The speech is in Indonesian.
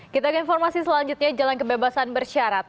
kita ke informasi selanjutnya jalan kebebasan bersyarat